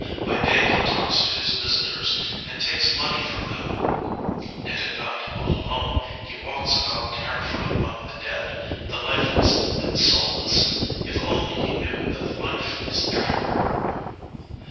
By day he talks to his visitors and takes money from them, and at night, all alone, he walks about terrified among the dead, the lifeless and the soulless. If only he knew that life is everywhere.